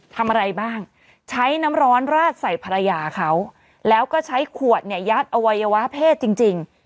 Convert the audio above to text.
ทำอะไรบ้างใช้น้ำร้อนราดใส่ภรรยาเขาแล้วก็ใช้ขวดเนี่ยยัดอวัยวะเพศจริง